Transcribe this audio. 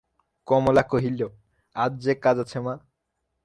কমলা কহিল, আজ যে কাজ আছে মা!